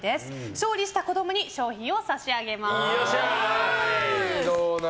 勝利した子供に商品を差し上げます。